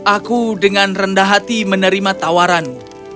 aku dengan rendah hati menerima tawaranmu